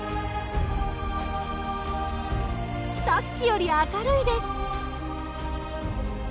さっきより明るいです。